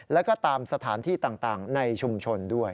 แล้วก็ตามสถานที่ต่างในชุมชนด้วย